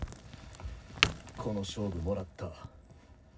この勝負もらった